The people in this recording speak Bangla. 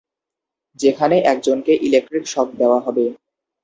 যেখানে একজনকে ইলেক্ট্রিক শক দেওয়া হবে।